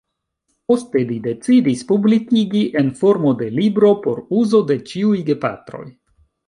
Poste li decidis publikigi en formo de libro por uzo de ĉiuj gepatroj.